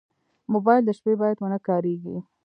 موبایل د شپې باید ونه کارېږي.